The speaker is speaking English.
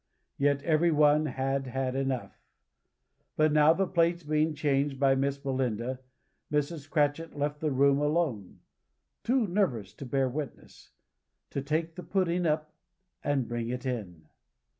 Yet every one had had enough. But now the plates being changed by Miss Belinda, Mrs. Cratchit left the room alone too nervous to bear witnesses to take the pudding up, and bring it in.